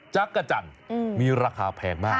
จักรจันทร์มีราคาแพงมาก